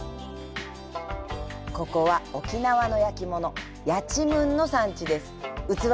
ここは沖縄の焼き物、やちむんの産地。